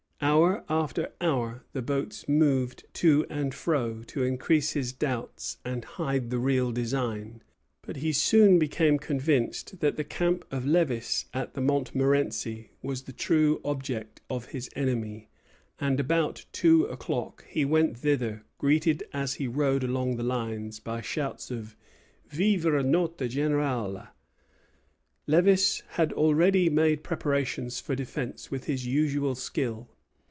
Hour after hour the boats moved to and fro, to increase his doubts and hide the real design; but he soon became convinced that the camp of Lévis at the Montmorenci was the true object of his enemy; and about two o'clock he went thither, greeted as he rode along the lines by shouts of Vive notre Général! Lévis had already made preparations for defence with his usual skill.